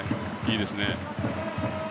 いいですね。